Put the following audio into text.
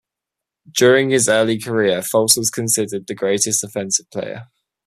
During his early career, Fulks was considered the league's greatest offensive player.